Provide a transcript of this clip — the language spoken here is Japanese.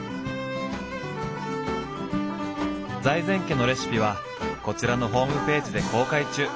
財前家のレシピはこちらのホームページで公開中。